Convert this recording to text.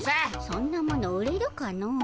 そんなもの売れるかのう。